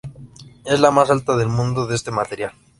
Es la más alta del mundo de este material.